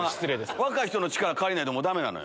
若い人の力借りないとダメよ。